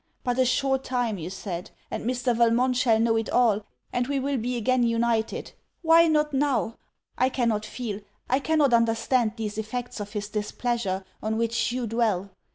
'But a short time,' you said, 'and Mr. Valmont shall know it all, and we will be again united.' Why not now? I cannot feel, I cannot understand these effects of his displeasure on which you dwell.